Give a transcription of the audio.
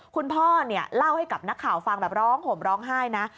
คุณพ่อเนี่ยเล่าให้กับนักข่าวฟังแบบร้องห่มร้องไห้นะ